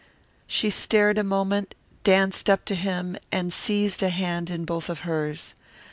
She stared a moment, danced up to him, and seized a hand in both of hers.